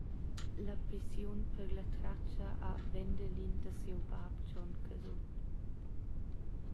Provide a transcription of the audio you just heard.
La pissiun per la tratga ha Wendelin da siu bab Gion Casutt.